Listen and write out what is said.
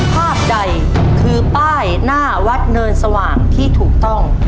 ภาพใดคือป้ายหน้าวัดเนินสว่างที่ถูกต้อง